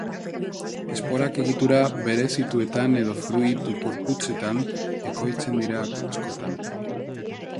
Esporak egitura berezituetan edo fruitu-gorputzetan ekoizten dira askotan.